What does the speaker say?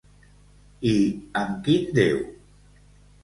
I amb quin déu?